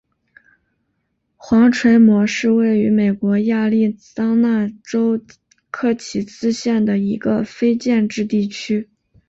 黄锤磨是位于美国亚利桑那州科奇斯县的一个非建制地区。